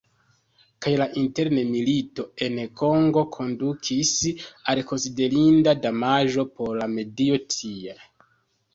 Kaj la interna milito en Kongo kondukis al konsiderinda damaĝo por la medio tie.